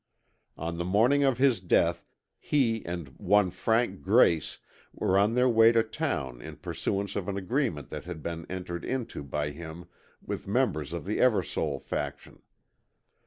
On the morning of his death he and one Frank Grace were on their way to town in pursuance of an agreement that had been entered into by him with members of the Eversole faction.